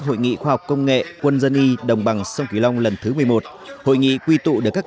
hội nghị khoa học công nghệ quân dân y đồng bằng sông kỳ long lần thứ một mươi một hội nghị quy tụ được các